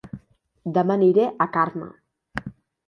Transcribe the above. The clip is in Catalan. Dema aniré a Carme